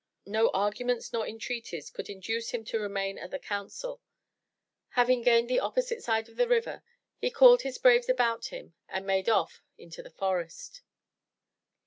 No arguments nor entreaties could induce him to remain at the Council. Having gained the opposite side of the river, he called his braves about him and made off into the forest.